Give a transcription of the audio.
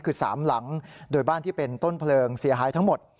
คือ๓หลังโดยบ้านที่เป็นต้นเพลิงเสียหายทั้งหมด